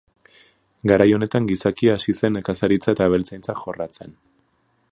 Garai honetan gizakia hasi zen nekazaritza eta abeltzaintza jorratzen.